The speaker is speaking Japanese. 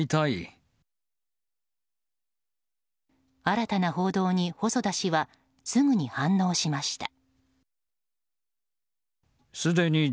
新たな報道に細田氏はすぐに反応しました。